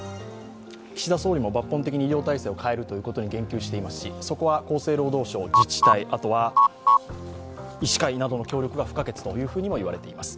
岸田総理も抜本的に医療体制を変えることに言及していますし、そこは厚生労働省、自治体、あとは医師会などの協力が不可欠といわれています。